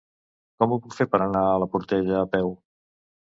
Com ho puc fer per anar a la Portella a peu?